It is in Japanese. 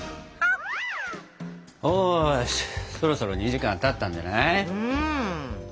よしそろそろ２時間たったんじゃない？